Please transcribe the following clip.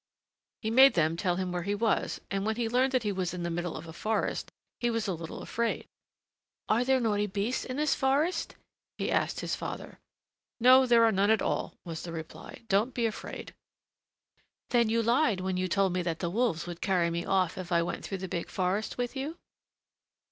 He made them tell him where he was, and when he learned that he was in the middle of a forest, he was a little afraid. "Are there naughty beasts in this forest?" he asked his father. "No, there are none at all," was the reply. "Don't be afraid." "Then you lied when you told me that the wolves would carry me off if I went through the big forest with you?"